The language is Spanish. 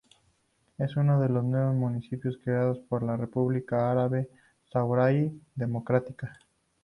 Es uno de los nuevos municipios creados por la República Árabe Saharaui Democrática.